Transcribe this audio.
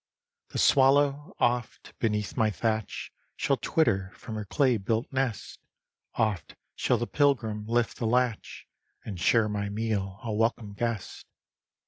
The swallow, oft, beneath my thatch, Shall twitter from her clay built nest; Oft shall the pilgrim lift the latch, And share my meal, a welcome guest.